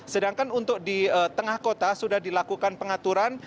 sedangkan untuk di tengah kota sudah dilakukan pengaturan